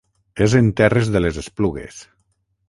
És en terres de les Esplugues.